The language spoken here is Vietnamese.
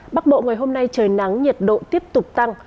bắc bộ ngày hôm nay trời nắng nhiệt độ tiếp tục tăng